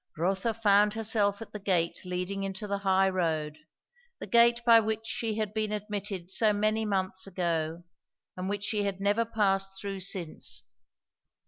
Rotha found herself at the gate leading into the high road; the gate by which she had been admitted so many months ago, and which she had never passed through since.